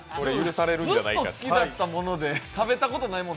ずっと好きだったもので食べたことないもの